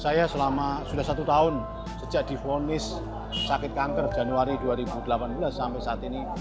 saya selama sudah satu tahun sejak difonis sakit kanker januari dua ribu delapan belas sampai saat ini